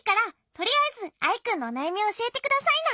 とりあえずアイくんのおなやみをおしえてくださいな。